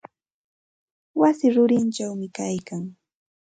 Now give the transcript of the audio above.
Wasi rurichawmi kaylkan.